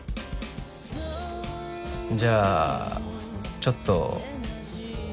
じゃあちょっと。